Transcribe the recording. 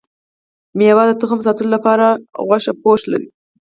ميوه د تخم ساتلو لپاره غوښه پوښ لري